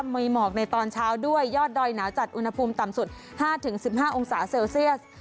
มีหมอกในตอนเช้าด้วยยอดดอยหนาวจัดอุณหภูมิต่ำสุด๕๑๕องศาเซลเซียส